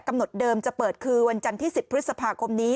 กำหนดเดิมจะเปิดคือวันจันทร์ที่สิบพฤษภาคมนี้